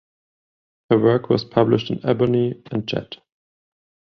Her work was published in "Ebony" and "Jet".